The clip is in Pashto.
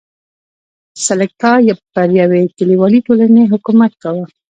سلکتا پر یوې کلیوالې ټولنې حکومت کاوه.